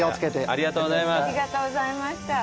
ありがとうございます。